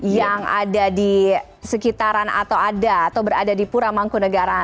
yang ada di sekitaran atau ada atau berada di pura mangkunegara